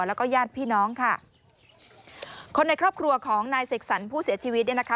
แล้วก็ญาติพี่น้องค่ะคนในครอบครัวของนายเสกสรรผู้เสียชีวิตเนี่ยนะคะ